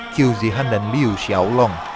kiu zihan dan liu xiaolong